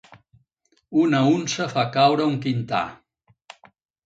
Una unça fa caure un quintar.